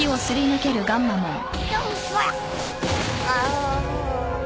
ああ。